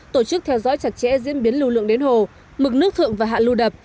tổ chức theo dõi chặt chẽ diễn biến lưu lượng đến hồ mực nước thượng và hạ lưu đập